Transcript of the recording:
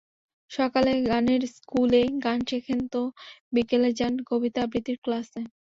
সকালে গানের স্কুলে গান শেখেন তো, বিকেলে যান কবিতা আবৃত্তির ক্লাসে।